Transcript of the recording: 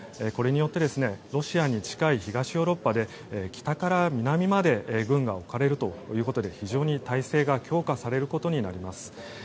これによってロシアに近い東ヨーロッパで北から南まで軍が置かれるということで非常に態勢が強化されることになります。